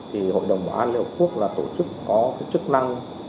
thì hội đồng bảo an liên hợp quốc là tổ chức có chức năng